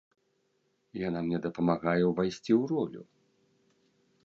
Яна мне дапамагае ўвайсці ў ролю.